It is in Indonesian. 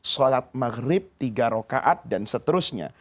sholat maghrib tiga rokaat dan seterusnya